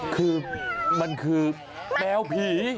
คือมันคือแมวผี